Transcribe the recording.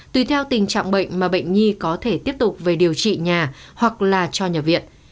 tùy theo tình trạng bệnh mà bệnh nhi có thể tiếp tục về điều trị nhà hoặc là cho nhập viện